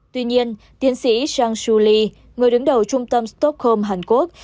tuy nhiên tiến sĩ zhang shuli người đứng đầu trung tâm stockholm hàn quốc